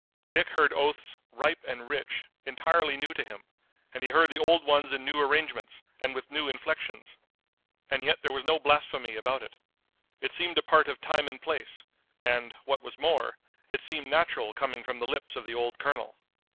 Dick heard oaths, ripe and rich, entirely new to him, and he heard the old ones in new arrangements and with new inflections. And yet there was no blasphemy about it. It seemed a part of time and place, and, what was more, it seemed natural coming from the lips of the old colonel.